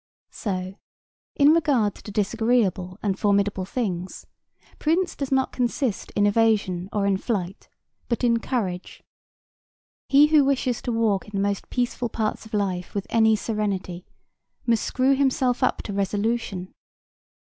So, in regard to disagreeable and formidable things, prudence does not consist in evasion or in flight, but in courage. He who wishes to walk in the most peaceful parts of life with any serenity must screw himself up to resolution.